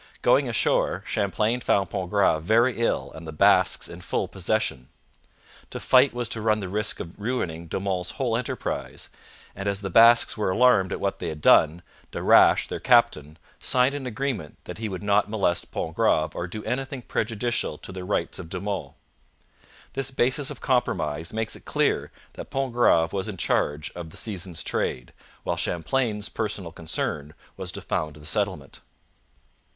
Going ashore, Champlain found Pontgrave very ill and the Basques in full possession. To fight was to run the risk of ruining De Monts' whole enterprise, and as the Basques were alarmed at what they had done, Darache, their captain, signed an agreement that he would not molest Pontgrave or do anything prejudicial to the rights of De Monts. This basis of compromise makes it clear that Pontgrave was in charge of the season's trade, while Champlain's personal concern was to found the settlement.